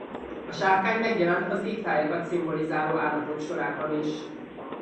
A sárkány megjelent az égtájakat szimbolizáló állatok sorában is.